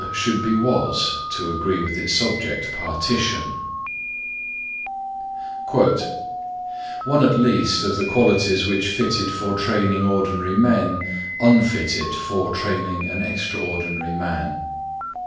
(Should be was to agree with its subject, partition.) (2) "One at least of the qualities which fit it for training ordinary men unfit it for training an extraordinary man."